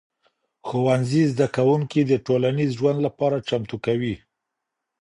ښوونځي زدهکوونکي د ټولنیز ژوند لپاره چمتو کوي.